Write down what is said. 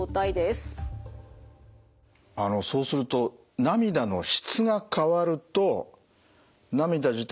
あのそうすると涙の質が変わると涙自体